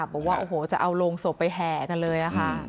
บอกว่าจะเอาโรงศพไปแห่กันเลย